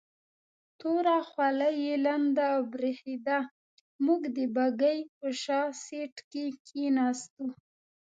توره خولۍ یې لنده او برېښېده، موږ د بګۍ په شا سیټ کې کېناستو.